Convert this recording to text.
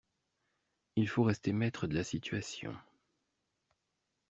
Il faut rester maître de la situation.